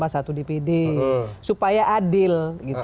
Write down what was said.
satu di pd supaya adil